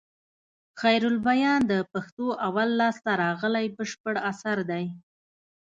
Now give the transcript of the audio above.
خيرالبيان د پښتو اول لاسته راغلى بشپړ اثر دئ.